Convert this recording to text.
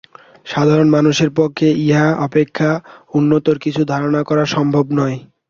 সাধারণত মানুষের পক্ষে ইহা অপেক্ষা উচ্চতর কিছু ধারণা করা সম্ভব নয়।